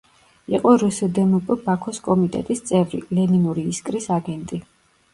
იყო რსდმპ ბაქოს კომიტეტის წევრი, ლენინური „ისკრის“ აგენტი.